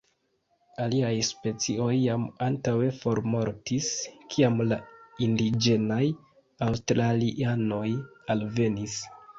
Aliaj specioj jam antaŭe formortis kiam la indiĝenaj aŭstralianoj alvenis.